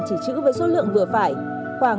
chỉ chữ với số lượng vừa phải khoảng